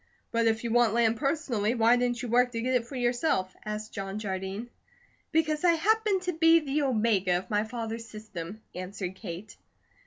"But if you want land personally, why didn't you work to get it for yourself?" asked John Jardine. "Because I happened to be the omega of my father's system," answered Kate.